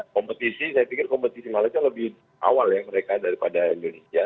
kompetisi saya pikir kompetisi malaysia lebih awal ya mereka daripada indonesia